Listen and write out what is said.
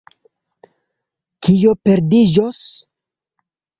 Kio perdiĝos?